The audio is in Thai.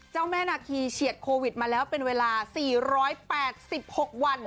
เจ้าแม่นาคีเฉียดโควิดมาแล้วเป็นเวลา๔๘๖วัน